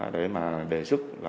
để mà đề xuất